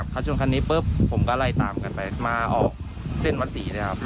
เขาชนคันนี้ปุ๊บผมก็ไล่ตามกันไปมาออกเส้นวัดศรีเลยครับ